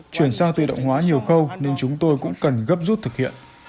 chuyển sang tự động hóa nhiều khâu nên chúng tôi cũng cần gấp rút thực hiện